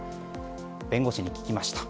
弁護士に聞きました。